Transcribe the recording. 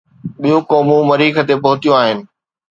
ٻيون قومون مريخ تي پهتيون آهن.